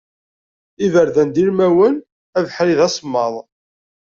Iberdan d ilmawen, abeḥri d asemmaḍ.